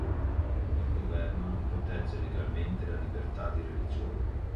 Il governo non protegge legalmente la libertà di religione.